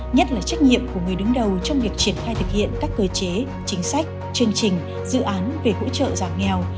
nhất là trách nhiệm của người đứng đầu trong việc triển khai thực hiện các cơ chế chính sách chương trình dự án về hỗ trợ giảm nghèo